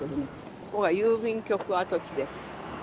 ここは郵便局跡地です。